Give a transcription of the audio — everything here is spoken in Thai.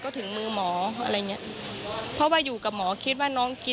เราเป็นคนธรรมดาเราก็ช่วยไม่ได้เนาะ